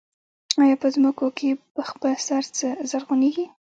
آیا په ځمکو کې په خپل سر څه زرغونېږي